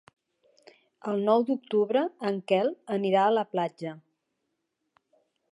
El nou d'octubre en Quel anirà a la platja.